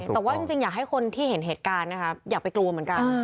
แต่ว่าจริงอยากให้คนที่เห็นเหตุการณ์นะคะอย่าไปกลัวเหมือนกัน